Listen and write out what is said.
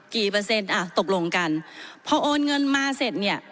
เปอร์เซ็นต์อ่ะตกลงกันพอโอนเงินมาเสร็จเนี่ย